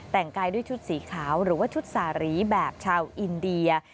แต่งกายด้วยชุดสีขาวหรือว่าชุดสารีแบบชาวอินเดีย